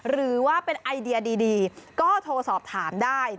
หรือว่าเป็นไอเดียดีก็โทรสอบถามได้